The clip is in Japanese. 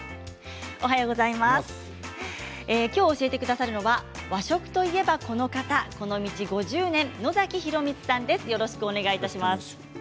きょう教えてくださるのは和食といえばこの方この道５０年、野崎洋光さんです。